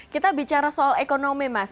kita bicara soal ekonomi mas